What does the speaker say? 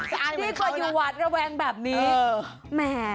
จะอายเหมือนเขานะที่เคยอยู่วัดระแวงแบบนี้แม่